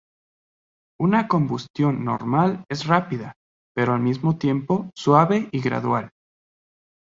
Una combustión normal es rápida, pero al mismo tiempo, suave y gradual.